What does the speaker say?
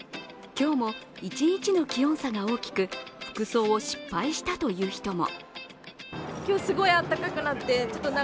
今日も一日の気温差が大きく服装を失敗したという人も。